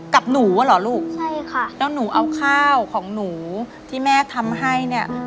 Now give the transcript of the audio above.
กับหนูอ่ะเหรอลูกใช่ค่ะแล้วหนูเอาข้าวของหนูที่แม่ทำให้เนี่ย